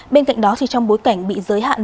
bên cạnh đó thì trong bối cảnh bị giới hạn